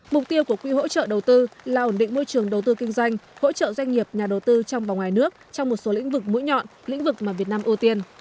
mục tiêu của quỹ hỗ trợ đầu tư là ổn định môi trường đầu tư kinh doanh hỗ trợ doanh nghiệp nhà đầu tư trong và ngoài nước trong một số lĩnh vực mũi nhọn lĩnh vực mà việt nam ưu tiên